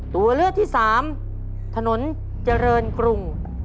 ตัวเลือกที่สามถนนเจริญกรุง